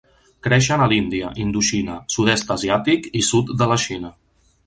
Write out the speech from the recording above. Creixen a l'Índia, Indochina, sud-est asiàtic i sud de la Xina.